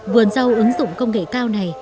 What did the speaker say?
vườn rau ứng dụng công nghệ cao này